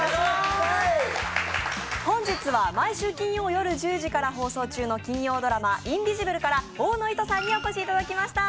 本日は毎週金曜夜１０時から放送中の金曜ドラマ「インビジブル」から大野いとさんにお越しいただきました。